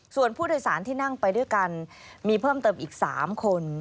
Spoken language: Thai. ส่วนผู้โดยสารที่นั่งไปด้วยกันมีเพิ่มเติมอีก๓คน